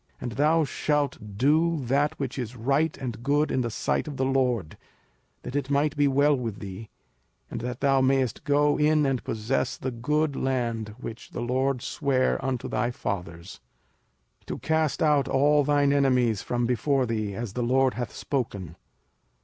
05:006:018 And thou shalt do that which is right and good in the sight of the LORD: that it may be well with thee, and that thou mayest go in and possess the good land which the LORD sware unto thy fathers. 05:006:019 To cast out all thine enemies from before thee, as the LORD hath spoken.